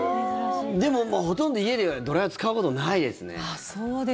でも、ほとんど家ではドライヤー使うことないですね。